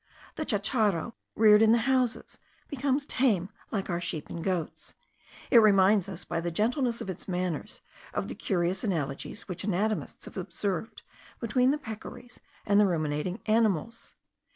The chacharo, reared in the houses, becomes tame like our sheep and goats. It reminds us, by the gentleness of its manners, of the curious analogies which anatomists have observed between the peccaries and the ruminating animals.